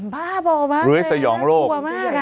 บ้าบอกมากเลยน่ากลัวมากอ่ะ